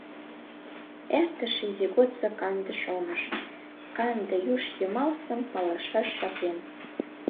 Эртыш изи годсо канде шоныш, Канде юж йымалсым палышаш жапем.